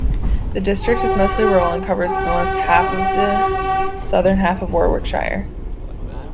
The district is mostly rural and covers most of the southern half of Warwickshire.